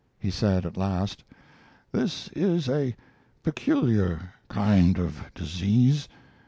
He said at last: "This is a peculiar kind of disease.